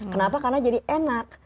kenapa karena jadi enak